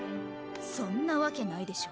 そんなわけないでしょ。